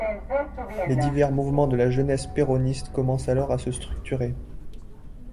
Les divers mouvements de la Jeunesse péroniste commencent alors à se structurer.